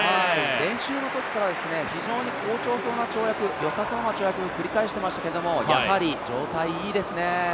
練習のときから非常に好調そうな跳躍、よさそうな跳躍を繰り返していましたけれどもやはり状態いいですね。